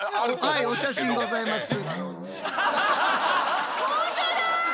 はいお写真ございます。